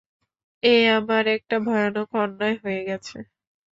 এ আমার একটা ভয়ানক অন্যায় হয়ে গেছে।